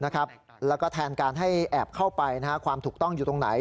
แล้วก็แทนการให้แอบเข้าไปความถูกต้องอยู่ตรงไหน